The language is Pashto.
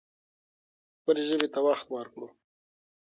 خپلې ژبې ته وخت ورکړو.